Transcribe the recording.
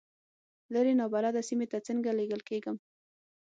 لرې نابلده سیمې ته څنګه لېږل کېږم.